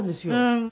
うん。